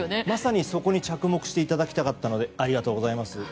まさにそこに着目していただきたかったのでありがとうございます。